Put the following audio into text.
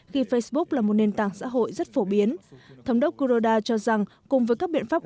khi facebook là một nền tảng xã hội rất phổ biến thống đốc kuroda cho rằng cùng với các biện pháp